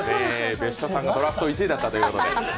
別所さんがドラフト１位だったということで。